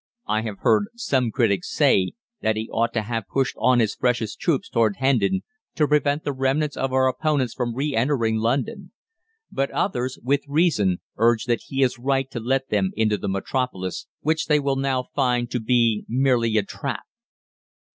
"I have heard some critics say that he ought to have pushed on his freshest troops towards Hendon to prevent the remnant of our opponents from re entering London; but others, with reason, urge that he is right to let them into the metropolis, which they will now find to be merely a trap."